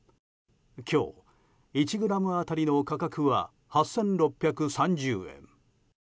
今日、１ｇ当たりの価格は８６３０円。